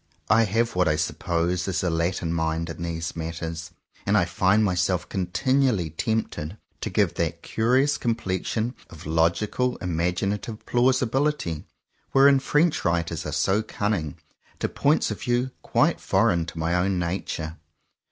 I have what I suppose is a Latin mind in these matters; and I find myself continually tempted, to give that curious complexion of logical imaginative plausi bility, wherein French writers are so cunning, to points of view quite foreign to my own nature.